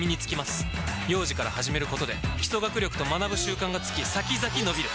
幼児から始めることで基礎学力と学ぶ習慣がつき先々のびる！